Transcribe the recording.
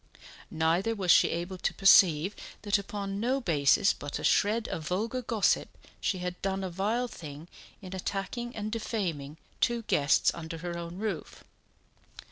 Neither was she able to perceive that upon no basis but a shred of vulgar gossip she had done a vile thing in attacking and defaming two guests under her own roof.